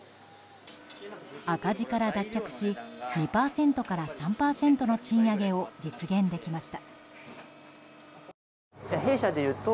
赤字から脱却し、２％から３％の賃上げを実現できました。